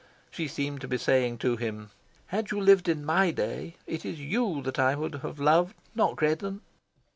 She seemed to be saying to him "Had you lived in my day, it is you that I would have loved, not Greddon."